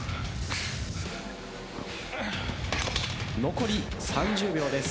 残り３０秒です。